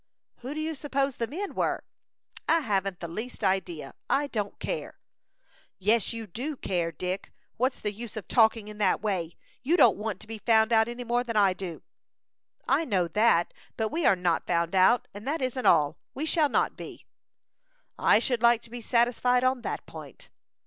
"Who do you suppose the men were?" "I haven't the least idea. I don't care." "Yes, you do care, Dick. What's the use of talking in that way? You don't want to be found out any more than I do." "I know that, but we are not found out; and that isn't all we shall not be." "I should like to be satisfied on that point."